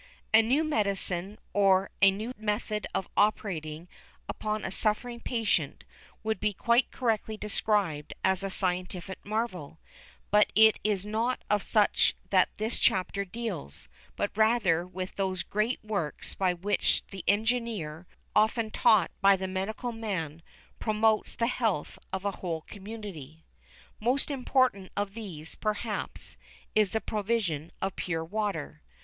A new medicine or a new method of operating upon a suffering patient would be quite correctly described as a scientific marvel, but it is not of such that this chapter deals, but rather with those great works by which the engineer, often taught by the medical man, promotes the health of a whole community. Most important of these, perhaps, is the provision of pure water.